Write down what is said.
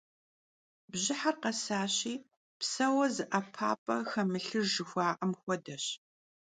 Bjıher khesaşi, pseuue zı 'epap'e xemılhıjj jjıxua'em xuedeş.